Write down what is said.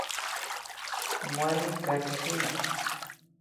Warmi karishina